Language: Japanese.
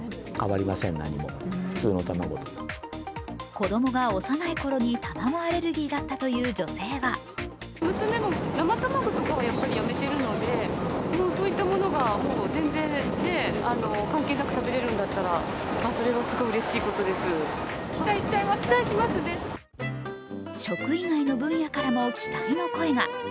子供が幼い頃に卵アレルギーだったという女性は食以外の分野からも期待の声が。